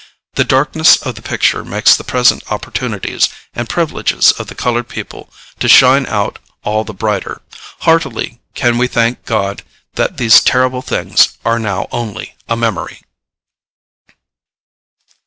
The darkness of the picture makes the present opportunities and privileges of the colored people to shine out all the brighter. Heartily can we thank God that these terrible things are now only a memory.